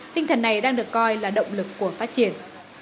tinh thần này đang được coi là động lực của phát triển